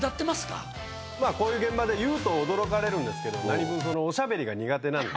まあ、こういう現場で言うと驚かれるんですけど、何分おしゃべりが苦手なんで。